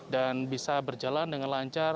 dan bisa berjalan dengan lancar